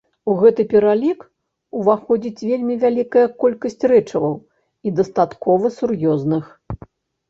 У гэты пералік уваходзіць вельмі вялікая колькасць рэчываў, і дастаткова сур'ёзных.